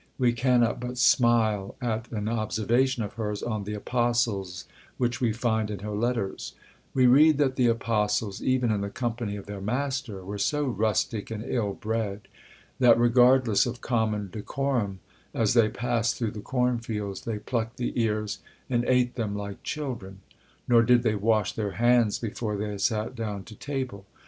We cannot but smile at an observation of hers on the Apostles which we find in her letters: "We read that the apostles, even in the company of their Master, were so rustic and ill bred, that, regardless of common decorum, as they passed through the corn fields they plucked the ears, and ate them like children. Nor did they wash their hands before they sat down to table.